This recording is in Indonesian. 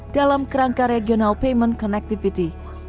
dalam kerangka regional payment connectivity